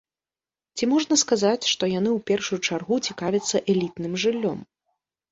Ці можна сказаць, што яны ў першую чаргу цікавяцца элітным жыллём?